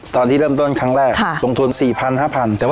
ตอนที่เริ่มต้นครั้งแรกลงทุน๔๐๐๕๐๐บาท